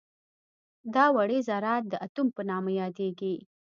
دا وړې ذرات د اتوم په نامه یادیږي.